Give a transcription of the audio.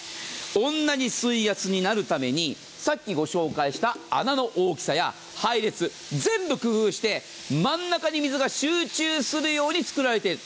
同じ水圧になるために、さっきご紹介した穴の配列や水圧、全部工夫して真ん中に水が集中するように作られている。